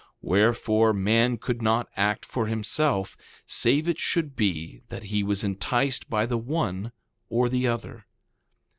Wherefore, man could not act for himself save it should be that he was enticed by the one or the other.